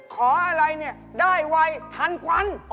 ขออะไรเนี่ยได้ไวทันควัน